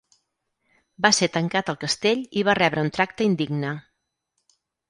Va ser tancat al castell i va rebre un tracte indigne.